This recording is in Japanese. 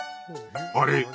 あれ？